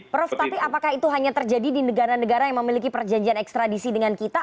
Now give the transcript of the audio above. prof tapi apakah itu hanya terjadi di negara negara yang memiliki perjanjian ekstradisi dengan kita